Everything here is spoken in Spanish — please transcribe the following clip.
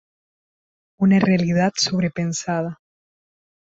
una realidad sobrepresentada